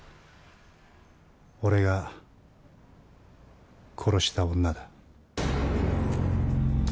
俺が殺した女だ。